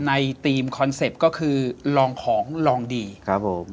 ทีมคอนเซ็ปต์ก็คือลองของลองดีครับผม